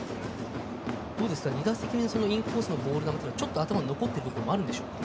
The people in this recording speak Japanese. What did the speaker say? ２打席のインコースのボールは頭に残ってくる部分はあるんでしょうか。